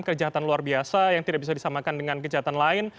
kejahatan luar biasa yang tidak bisa disamakan dengan kejahatan lain